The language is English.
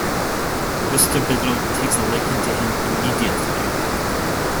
Mr. Biddle takes a liking to him immediately.